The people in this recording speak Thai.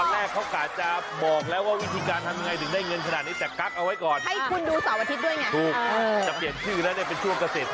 แล้วจะบอกว่าวิธีการทำยังไงถึงได้เงินขนาดนี้ให้ดูสำหรับเกษตรทำเงิน